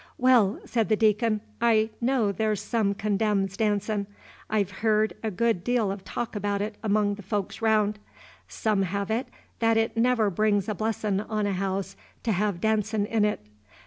"Well," said the Deacon, "I know there's some condemns dancin'. I've heerd a good deal of talk about it among the folks round. Some have it that it never brings a blessin' on a house to have dancin' in it.